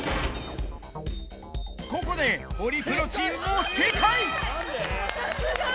ここでホリプロチームも正解さすが！